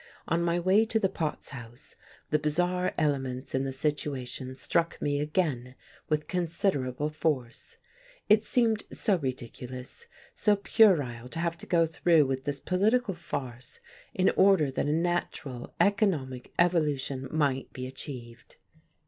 On my way to the Potts House the bizarre elements in the situation struck me again with considerable force. It seemed so ridiculous, so puerile to have to go through with this political farce in order that a natural economic evolution might be achieved.